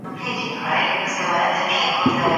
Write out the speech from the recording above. څېړونکو د زړو خلکو کولمې وڅېړلې.